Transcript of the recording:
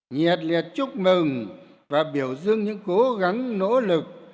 nhiệt liệt chúc mừng và biểu dương những cố gắng nỗ lực